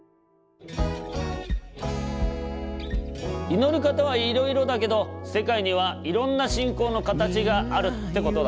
祈り方はいろいろだけど世界にはいろんな信仰のかたちがあるってことだね。